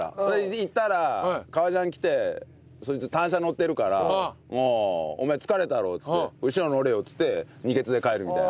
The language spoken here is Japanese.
行ったら革ジャン着てそいつ単車乗ってるから「お前疲れたろ」っつって「後ろ乗れよ」っつってニケツで帰るみたいな。